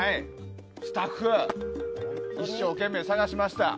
スタッフが一生懸命、探しました。